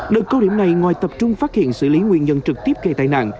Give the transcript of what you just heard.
đợt câu điểm này ngoài tập trung phát hiện xử lý nguyên nhân trực tiếp gây tai nạn